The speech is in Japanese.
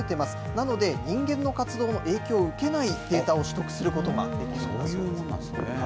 なので、人間の活動の影響を受けないデータを取得することができそういうものなんですね。